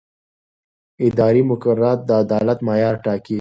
اداري مقررات د عدالت معیار ټاکي.